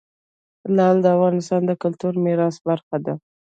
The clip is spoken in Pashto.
لعل د افغانستان د کلتوري میراث برخه ده.